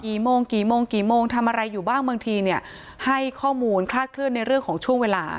โมงกี่โมงกี่โมงทำอะไรอยู่บ้างบางทีเนี่ยให้ข้อมูลคลาดเคลื่อนในเรื่องของช่วงเวลา